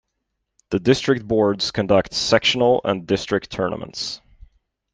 The District boards conduct Sectional and District tournaments.